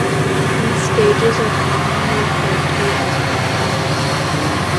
These stages are commonly referred to as "plateaus".